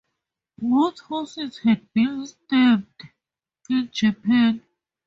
Both horses had been stabled in Japan.